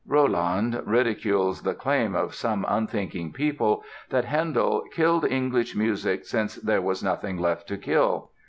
Rolland ridicules the claim of some unthinking people that Handel "killed English music since there was nothing left to kill."